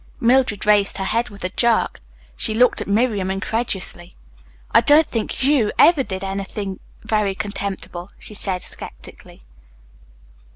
Mildred raised her head with a jerk. She looked at Miriam incredulously. "I don't think you ever did anything very contemptible," she said sceptically.